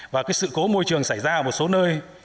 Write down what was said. và sự cố môi trường xảy ra ở một số nơi